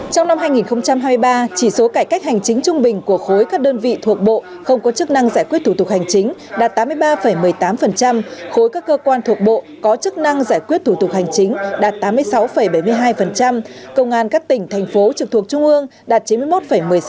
trong năm hai nghìn hai mươi ba chỉ số cải cách hành chính trung bình của khối các đơn vị thuộc bộ không có chức năng giải quyết thủ tục hành chính đạt tám mươi ba một mươi tám khối các cơ quan thuộc bộ có chức năng giải quyết thủ tục hành chính đạt tám mươi sáu bảy mươi hai công an các tỉnh thành phố trực thuộc trung ương đạt chín mươi một một mươi sáu